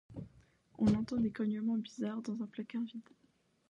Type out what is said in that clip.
On entend des cognements bizarres dans un placard vide.